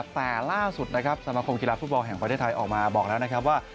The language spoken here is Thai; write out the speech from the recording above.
แต่ล่าสุดสมคมกีฬาภูตบอลแห่งไฟเตอร์ไทยออกมาบอกแล้วว่า